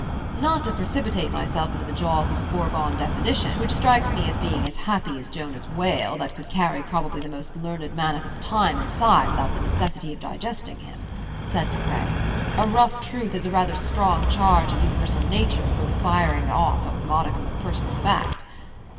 "Not to precipitate myself into the jaws of the foregone definition, which strikes me as being as happy as Jonah's whale, that could carry probably the most learned man of his time inside without the necessity of digesting him," said De Craye, "a rough truth is a rather strong charge of universal nature for the firing off of a modicum of personal fact."